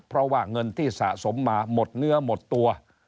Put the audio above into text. เพราะว่าเงินที่สะสมมาหมดเนื้อหมดตัว